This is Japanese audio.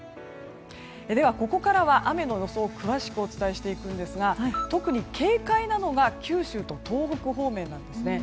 ではここからは雨の予想を詳しくお伝えしていくんですが特に警戒なのが九州と東北方面なんですね。